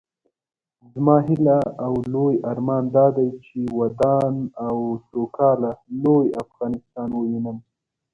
زما هيله او لوئ ارمان دادی چې ودان او سوکاله لوئ افغانستان ووينم